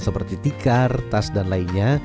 seperti tikar tas dan lainnya